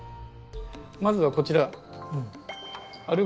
まずはこちら。